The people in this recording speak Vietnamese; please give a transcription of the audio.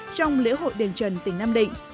trong lễ hội đền trần tỉnh nam định